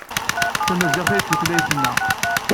D tamaziɣt ay d tutlayt-nneɣ.